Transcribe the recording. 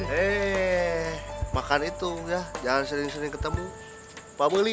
hei makan itu ya jangan sering sering ketemu pak willy